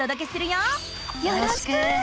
よろしく！